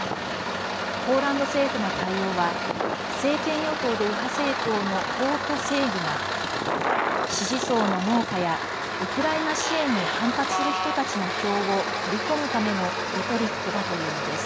ポーランド政府の対応は政権与党で右派政党の法と正義が支持層の農家やウクライナ支援に反発する人たちの票を取り込むためのレトリックだというのです。